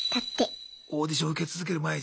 オーディション受け続ける毎日。